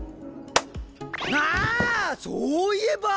あそういえば！